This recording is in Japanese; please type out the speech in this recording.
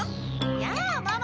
やあママ。